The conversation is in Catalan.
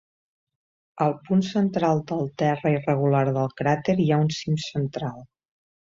Al punt central del terra irregular del cràter hi ha un cim central.